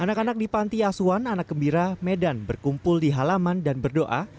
anak anak di panti asuhan anak gembira medan berkumpul di halaman dan berdoa